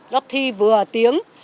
đó thi vừa tiếng